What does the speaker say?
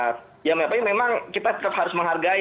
ya memang kita tetap harus menghargai